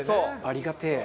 ありがてえ。